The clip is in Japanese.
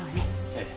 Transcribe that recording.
ええ。